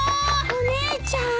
お姉ちゃん。